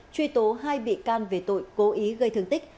truy tố hai bị can về tội cố ý gây thương tích